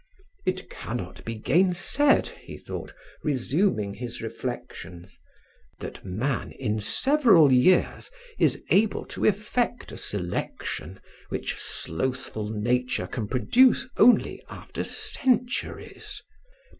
"It cannot be gainsaid," he thought, resuming his reflections, "that man in several years is able to effect a selection which slothful nature can produce only after centuries.